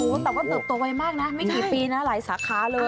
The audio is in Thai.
แต่ก็เติบโตไวมากนะไม่ใกล้ปีหลายสาจะเลย